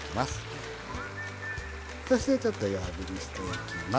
そしてちょっと弱火にしていきます。